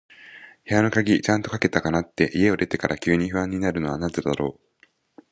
部屋の鍵、ちゃんとかけたかなって、家を出てから急に不安になるのはなぜだろう。